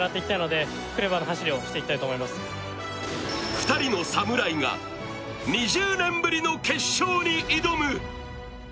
２人の侍が２０年ぶりの決勝に挑む